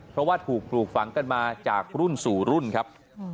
เพราะว่าถูกปลูกฝังกันมาจากรุ่นสู่รุ่นครับ